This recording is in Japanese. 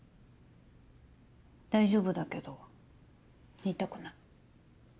大丈夫だけど言いたくない。